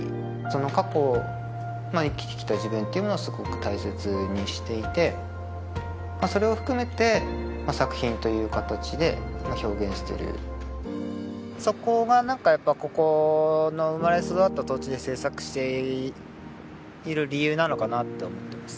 過去生きてきた自分っていうものはすごく大切にしていてそれを含めて作品という形で表現してるそこが何かやっぱここの生まれ育った土地で制作している理由なのかなって思ってます